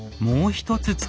もう一つ。